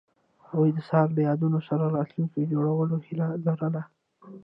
هغوی د سهار له یادونو سره راتلونکی جوړولو هیله لرله.